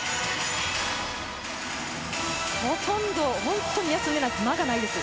ほとんど休みなく、間がないです。